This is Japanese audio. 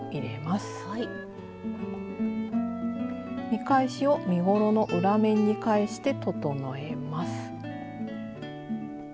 見返しを身ごろの裏面に返して整えます。